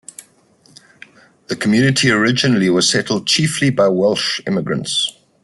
The community originally was settled chiefly by Welsh immigrants.